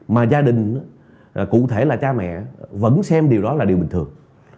mà gia đình cụ thể là cha mẹ vẫn xem điều đó là điều bình thường